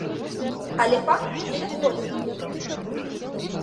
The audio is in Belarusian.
Але пан не дазволіў на выплату.